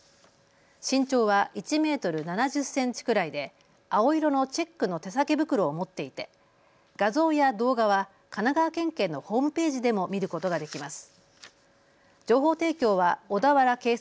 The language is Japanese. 身長は１メートル７０センチくらいで青色のチェックの手提げ袋を持っていて画像や動画は神奈川県警のホームページでも見ることができます。